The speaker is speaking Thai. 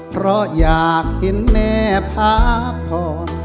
เพราะอยากเห็นแม่พักผ่อน